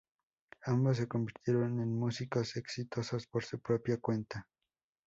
Ambos se convirtieron en músicos exitosos por su propia cuenta.